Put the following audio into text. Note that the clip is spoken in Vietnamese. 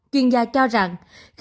chuyên gia cho rằng